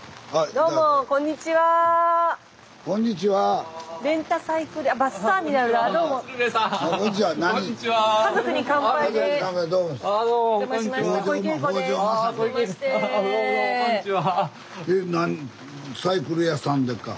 どうもどうもこんにちは。